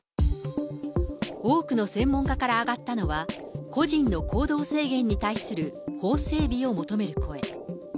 多くの専門家から上がったのは、個人の行動制限に対する法整備を求める声。